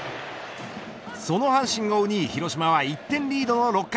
その阪神を追う２位、広島は１点リードの６回。